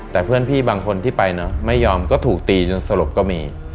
แต่เพื่อนพี่บางคนที่ไปเนอะไม่ยอมก็ถูกตีจนสลบก็มี